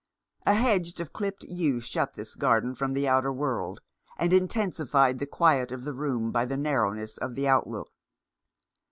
A hedge of clipped yew shut this garden from the outer world, and intensified the quiet of the room by the narrowness of the outlook.